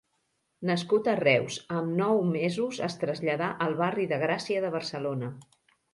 Nascut a Reus, amb nou mesos es traslladà al barri de Gràcia de Barcelona.